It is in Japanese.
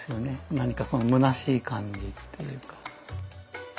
なにかそのむなしい感じっていうか。